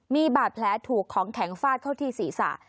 มีบาดแผลถูกของแข็งฟาดเข้าที่ศีรษะ